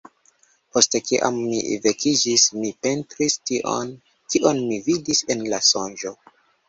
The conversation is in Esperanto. Post kiam mi vekiĝis, mi pentris tion, kion mi vidis en la sonĝo.